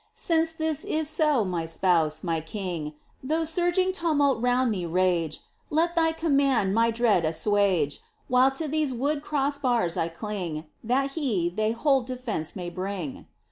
Since this is so, my Spouse, my King ! Though surging tumult round me rage Let Thy command my dread assuage. While to these wood cross bars I cling. That He they hold defence may bring